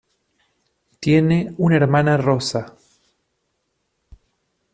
Tiene una hermana Rosa.